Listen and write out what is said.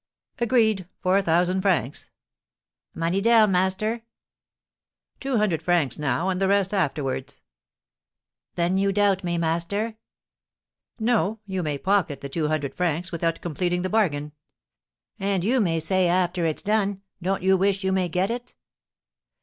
'Agreed, for a thousand francs.' 'Money down, master?' 'Two hundred francs now, and the rest afterwards.' 'Then you doubt me, master?' 'No; you may pocket the two hundred francs, without completing the bargain.' 'And you may say, after it's done, "Don't you wish you may get it?"'